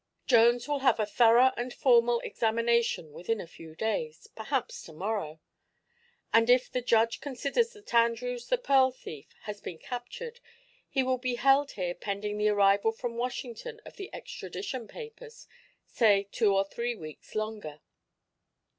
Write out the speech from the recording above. Jones will have a thorough and formal examination within a few days perhaps to morrow and if the judge considers that Andrews the pearl thief has been captured, he will be held here pending the arrival from Washington of the extradition papers say two or three weeks longer."